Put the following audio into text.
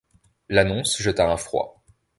L’annonce jeta un froid.